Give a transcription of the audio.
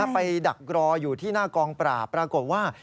ไปดักรออยู่ที่หน้ากองปราบปรากฏว่า